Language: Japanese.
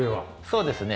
そうですね。